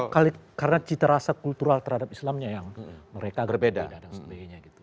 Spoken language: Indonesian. karena cita rasa kultural terhadap islamnya yang mereka berbeda dan sebagainya gitu